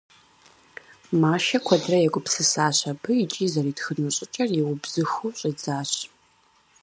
Машэ куэдрэ егупсысащ абы икӏи зэритхыну щӏыкӏэр иубзыхуу щӏидзащ.